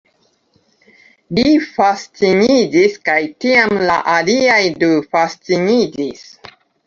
Li fasciniĝis kaj tiam la aliaj du fasciniĝis